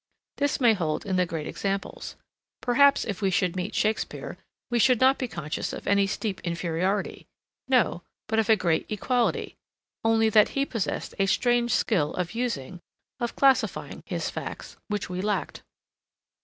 This may hold in the great examples. Perhaps if we should meet Shakspeare we should not be conscious of any steep inferiority; no, but of a great equality,—only that he possessed a strange skill of using, of classifying, his facts, which we lacked.